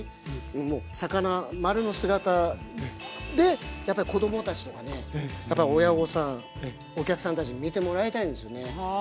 もう魚まるの姿でやっぱり子供たちとかね親御さんお客さんたちに見てもらいたいんですよね。